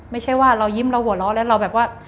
ไม่ใช่ว่าเรายิ้มเราหัวเราะแล้วเราแบบว่า